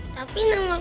ada ada membaca